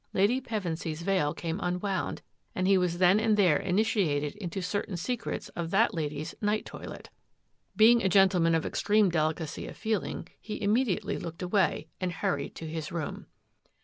Lady Pevensy's veil came unwound and he was then and there initiated into certain secrets of that lady's night toilet. Being a gentleman of extreme delicacy of feeling, he immediately looked away and hurried to his room.